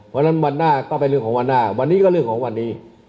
เพราะฉะนั้นวันหน้าก็เป็นเรื่องของวันหน้าวันนี้ก็เรื่องของวันนี้